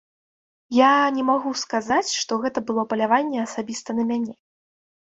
Я не магу сказаць, што гэта было паляванне асабіста на мяне.